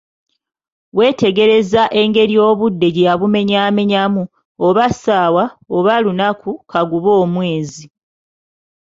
Weetegerezza engeri obudde gye yabumenyamenyamu, oba ssaawa, oba lunaku, kagube mwezi!